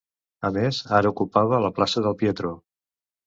A més, ara ocupava la plaça del Pietro.